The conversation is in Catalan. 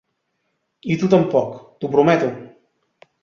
"I tu tampoc, t'ho prometo!"